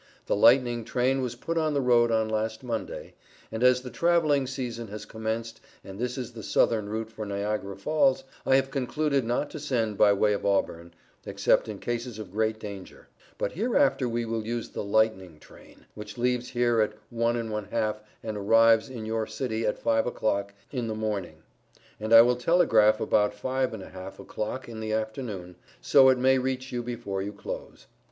The Lightning Train was put on the Road on last Monday, and as the traveling season has commenced and this is the Southern route for Niagara Falls, I have concluded not to send by way of Auburn, except in cases of great danger; but hereafter we will use the Lightning Train, which leaves here at 1 1/2 and arrives in your city at 5 o'clock in the morning, and I will telegraph about 5 1/2 o'clock in the afternoon, so it may reach you before you close.